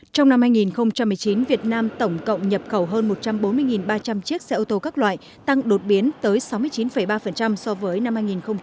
trong năm hai nghìn một mươi chín việt nam tổng cộng nhập khẩu hơn một trăm bốn mươi ba trăm linh chiếc xe ô tô các loại tăng đột biến tới sáu mươi chín ba so với năm hai nghìn một mươi bảy